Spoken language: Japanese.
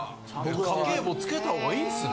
家計簿つけたほうがいいっすね。